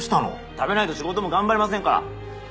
食べないと仕事も頑張れませんから。